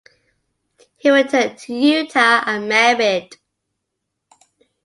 He returned to Utah and married.